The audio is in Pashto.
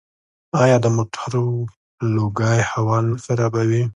آیا د موټرو لوګی هوا نه خرابوي؟